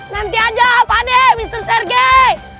nanti aja pak dek mister sergei